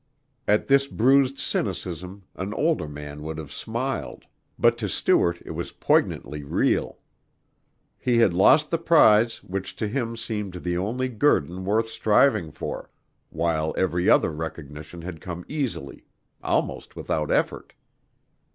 At this bruised cynicism an older man would have smiled, but to Stuart it was poignantly real. He had lost the prize which to him seemed the only guerdon worth striving for, while every other recognition had come easily almost without effort.